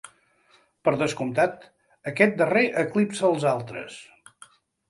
Per descomptat, aquest darrer eclipsa els altres.